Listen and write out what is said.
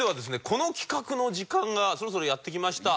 この企画の時間がそろそろやってきました。